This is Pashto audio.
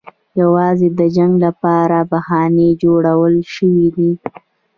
یوازې د جنګ لپاره بهانې جوړې شوې دي.